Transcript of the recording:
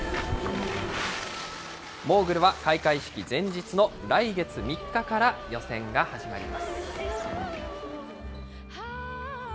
モーグルは開会式前日の来月３日から予選が始まります。